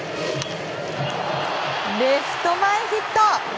レフト前ヒット！